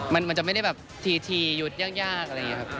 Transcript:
มันจะไม่ได้แบบทีหยุดยากอะไรอย่างนี้ครับ